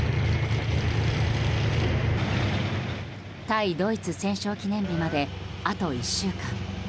対ドイツ戦勝記念日まであと１週間。